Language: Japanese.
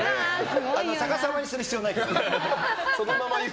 さかさまにする必要ないから。